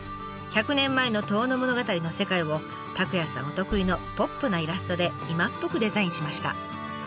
１００年前の「遠野物語」の世界を拓也さんお得意のポップなイラストで今っぽくデザインしました。